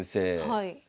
はい。